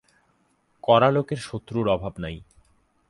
কড়া লোকের শত্রুর অভাব নাই।